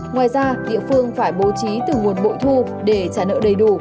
ngoài ra địa phương phải bố trí từ nguồn bội thu để trả nợ đầy đủ